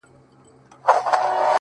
خوب كي گلونو ســـره شپـــــې تېــروم;